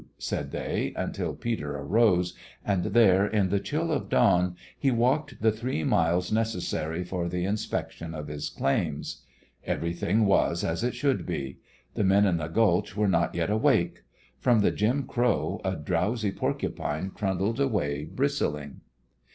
_" said they, until Peter arose, and there, in the chill of dawn, he walked the three miles necessary for the inspection of his claims. Everything was as it should be. The men in the gulch were not yet awake. From the Jim Crow a drowsy porcupine trundled away bristling.